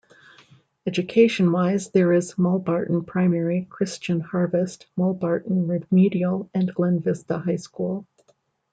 Education-wise there is Mulbarton Primary; Christian Harvest; Mulbarton Remedial and Glenvista High School.